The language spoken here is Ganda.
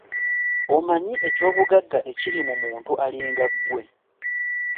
Omanyi ekyobugagga ekiri mu muntu alinga ggwe?